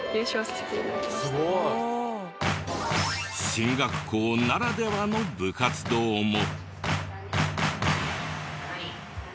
進学校ならではの部活動も。